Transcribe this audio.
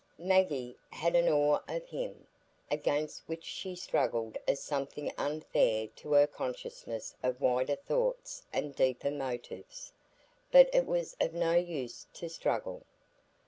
Maggie had an awe of him, against which she struggled as something unfair to her consciousness of wider thoughts and deeper motives; but it was of no use to struggle.